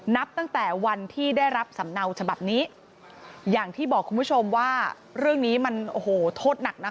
นับตั้งแต่วันที่ได้รับสำเนาฉบับนี้อย่างที่บอกคุณผู้ชมว่าเรื่องนี้มันโอ้โหโทษหนักนะคะ